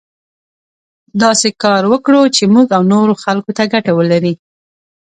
داسې کار وکړو چې موږ او نورو خلکو ته ګټه ولري.